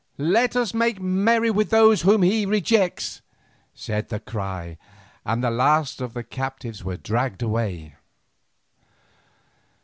Let us make merry with those whom He rejects," said the cry, and the last of the captives were dragged away.